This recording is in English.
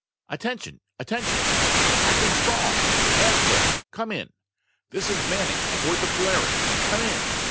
"Attention! Attention! Captain Strong! Astro! Come in! This is Manning aboard the Polaris! Come in!"